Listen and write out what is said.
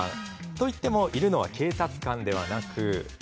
と言ってもいるのは警察官ではなく。